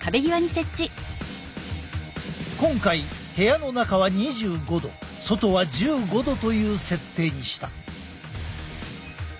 今回部屋の中は２５度外は１５度という設定にした。